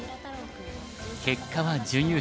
結果は準優勝。